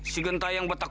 si genta yang bertekuk